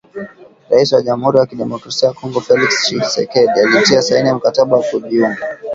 Rais wa Jamhuri ya Kidemokrasia ya Kongo ,Felix Tchisekedi ,alitia saini mkataba wa kujiunga